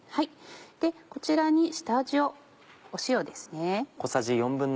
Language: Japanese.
こちらに下味を塩ですね。